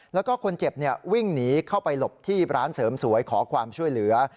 แล้วก็คนเจ็บวิ่งหนีเข้าไปหลบที่ร้านเสริมสวยขอความช่วยเหลือ